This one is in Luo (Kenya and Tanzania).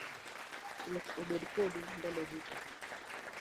Ruoth obed kodu ndalo duto.